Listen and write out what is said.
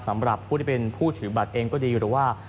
สำหรับผู้ที่เป็นผู้ถือบัตรเองก็ดีหรือว่า